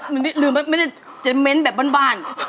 ไม่ลืมไม่ได้เจ็บเม้นแบบบ้าน